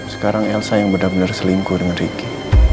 sekarang elsa yang benar benar selingkuh dengan ricky